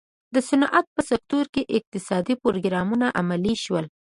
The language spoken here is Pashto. د صنعت په سکتور کې اقتصادي پروګرامونه عملي شول.